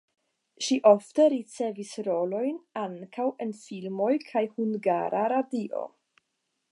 Ŝi ofte ricevis rolojn ankaŭ en filmoj kaj Hungara Radio.